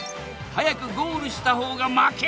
早くゴールした方が負け！